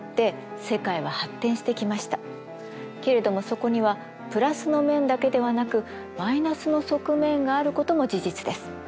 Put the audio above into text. けれどもそこにはプラスの面だけではなくマイナスの側面があることも事実です。